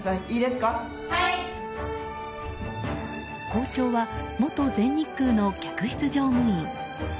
校長は元全日空の客室乗務員。